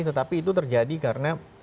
tetapi itu terjadi karena